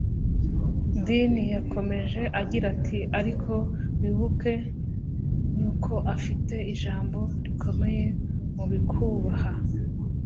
Dean yakomeje agira ati: "Ariko wibuke, nyoko afite ijambo rikomeye mubikubaho.